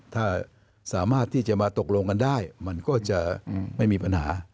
ถ้าสามารถที่จะมาตกลงกันได้มันก็จะไม่มีปัญหา